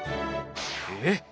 えっ！